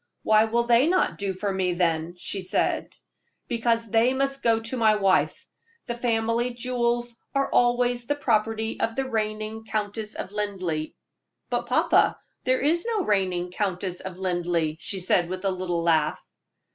"Why will they not do for me, then?" she asked. "Because they must go to my wife. The family jewels are always the property of the reigning Countess of Linleigh." "But, papa, there is no reigning Countess of Linleigh," she said, with a little laugh.